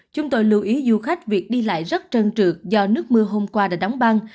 chúng tôi lưu ý du khách việc đi lại rất trơn trượt do nước mưa hôm qua đã đóng băng